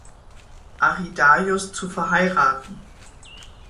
Arrhidaios zu verheiraten.